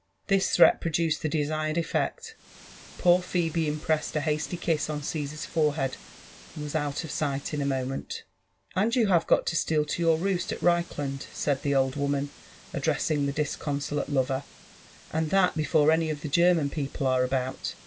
This threat produced the desired eflect; — poor Phebe impressed a hasty kiss on Caesar's forehead, and was out of sight in a moment. " And you have got to steal to your roost at Rcichland ?*' said the old woman, addressing the disconsolate lover ;and that before any of the German people are about